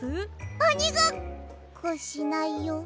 おにごっこ！しないよ